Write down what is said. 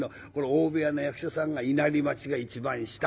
大部屋の役者さんが稲荷町が一番下。